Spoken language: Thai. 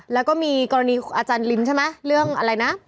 แล้วก็มีกรณีอาจารย์ลินใช่ไหมเรื่องอะไรนะ